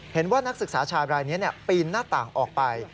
นักศึกษาชายรายนี้ปีนหน้าต่างออกไป